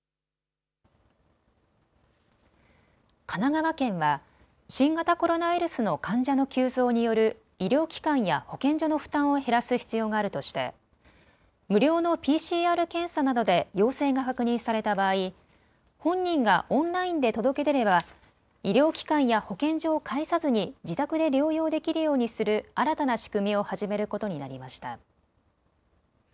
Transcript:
神奈川県は新型コロナウイルスの患者の急増による医療機関や保健所の負担を減らす必要があるとして無料のＰＣＲ検査などで陽性が確認された場合、本人がオンラインで届け出れば医療機関や保健所を介さずに自宅で療養できるようにする新たな仕組みを始めることになりました。